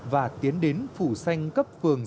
và tiến đến phủ xây dựng